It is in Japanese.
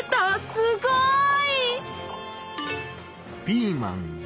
すごい！